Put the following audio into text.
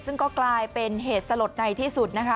ซึ่งก็กลายเป็นเหตุสลดในที่สุดนะคะ